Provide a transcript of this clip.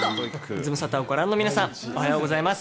ズムサタをご覧の皆さん、おはようございます。